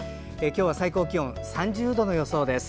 今日は最高気温３０度の予想です。